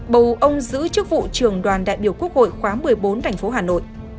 bầu ông giữ chức vụ trưởng đoàn đại biểu quốc hội khóa một mươi bốn thành phố hà nội